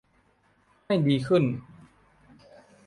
ให้ดีขึ้น